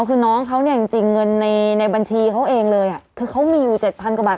คือน้องเขาเนี่ยจริงเงินในในบัญชีเขาเองเลยอ่ะคือเขามีอยู่๗๐๐กว่าบาท